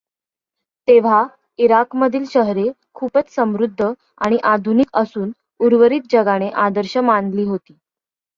तेव्हा इराकमधील शहरे खूपच समृद्ध आणि आधुनिक असून उर्वरित जगाने आदर्श मानली होती.